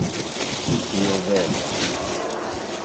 Io velia.